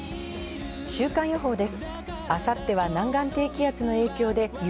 週間予報です。